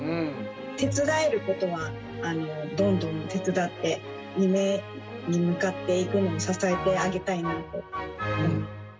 手伝えることは、どんどん手伝って、夢に向かっていくのを支えてあげたいなと。